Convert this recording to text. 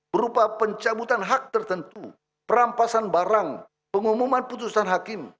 berupa pencabutan hak tertentu perampasan barang pengumuman putusan hakim